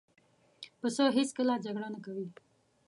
پسه هېڅکله جګړه نه کوي.